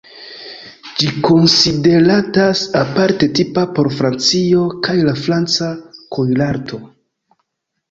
Ĝi konsideratas aparte tipa por Francio kaj la franca kuirarto.